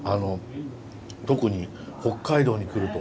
特に北海道に来ると。